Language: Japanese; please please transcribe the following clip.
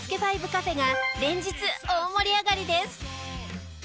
ＦＩＶＥカフェが連日大盛り上がりです。